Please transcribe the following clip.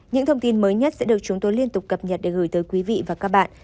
những thông tin mới nhất sẽ được chúng tôi liên tục cập nhật để gửi tới quý vị và các bạn